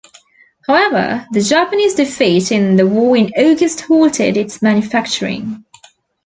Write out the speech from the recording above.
However, the Japanese defeat in the war in August halted its manufacturing.